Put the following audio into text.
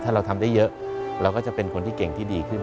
ถ้าเราทำได้เยอะเราก็จะเป็นคนที่เก่งที่ดีขึ้น